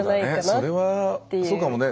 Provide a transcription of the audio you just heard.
それはそうかもね。